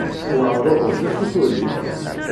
Wahruḥu d-acu-t wagi?